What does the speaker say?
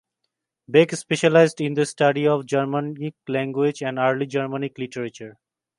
Beck specialized in the study of Germanic languages and early Germanic literature.